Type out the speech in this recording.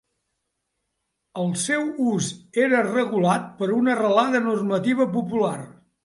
El seu ús era regulat per una arrelada normativa popular.